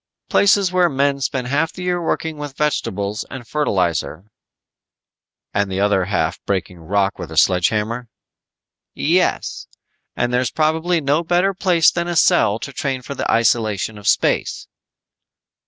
"Places where men spend half the year working with vegetables and fertilizer " "And the other half breaking rock with a sledge hammer?" "Yes. And there's probably no better place than a cell to train for the isolation of space."